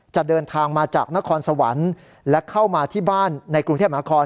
จะเดินทางมาจากนครสวรรค์และเข้ามาที่บ้านในกรุงเทพมหาคอน